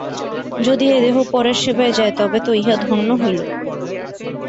যদি এ দেহ পরের সেবায় যায়, তবে তো ইহা ধন্য হইল।